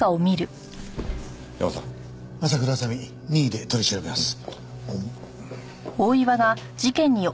任意で取り調べます。